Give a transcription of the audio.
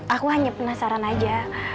aku hanya penasaran aja